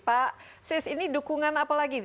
pak sis ini dukungan apa lagi